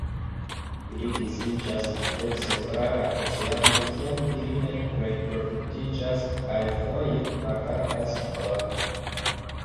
Ili disiĝas amplekse tra la oceanoj kiam ili ne reproduktiĝas, kaj foje vagadas for.